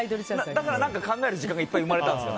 だから何か考える時間が生まれたんですよ。